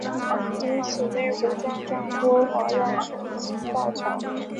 因此内湖庄长郭华让申请造桥。